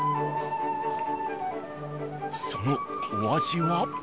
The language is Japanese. そのお味は？